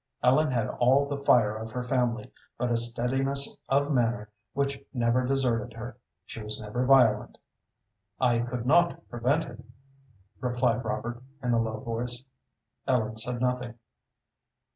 Ellen had all the fire of her family, but a steadiness of manner which never deserted her. She was never violent. "I could not prevent it," replied Robert, in a low voice. Ellen said nothing.